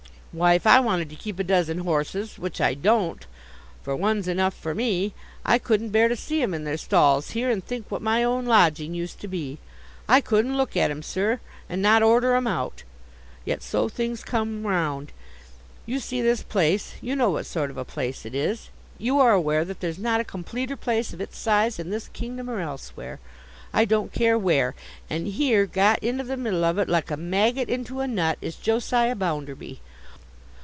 Why, if I wanted to keep a dozen horses—which I don't, for one's enough for me—I couldn't bear to see 'em in their stalls here, and think what my own lodging used to be. I couldn't look at 'em, sir, and not order 'em out. Yet so things come round. You see this place; you know what sort of a place it is; you are aware that there's not a completer place of its size in this kingdom or elsewhere—I don't care where—and here, got into the middle of it, like a maggot into a nut, is Josiah Bounderby.